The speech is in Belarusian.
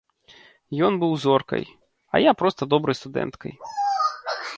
Ён быў зоркай, а я проста добрай студэнткай.